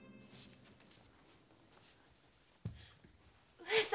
上様！